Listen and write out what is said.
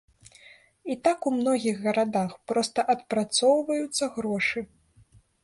І так у многіх гарадах, проста адпрацоўваюцца грошы.